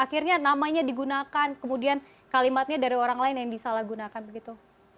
akhirnya namanya digunakan kemudian kalimatnya dari orang lain yang disalahgunakan begitu